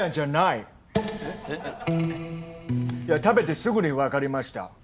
いや食べてすぐに分かりました。